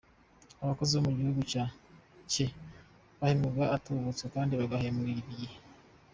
-Abakozi bo mu gihugu cye bahembwaga agatubutse kandi bagahemberwa igihe.